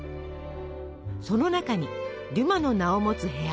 その中にデュマの名を持つ部屋も。